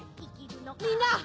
みんな！